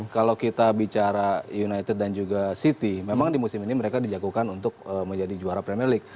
kalau kita bicara united dan juga city memang di musim ini mereka dijagokan untuk menjadi juara premier league